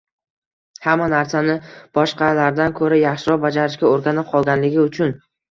Hamma narsani boshqalardan ko‘ra yaxshiroq bajarishga o‘rganib qolganligi uchun